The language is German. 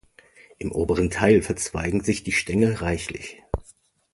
Im oberen Teil verzweigen sich die Stängel reichlich.